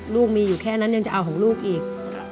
ลูกมีอยู่แค่นั้นยังจะเอาของลูกอีก